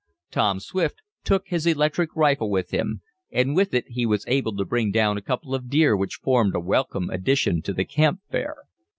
Tom Swift took his electric rifle with him, and with it he was able to bring down a couple of deer which formed a welcome addition to the camp fare.